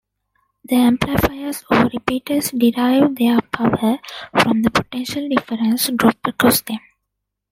The amplifiers or repeaters derive their power from the potential difference drop across them.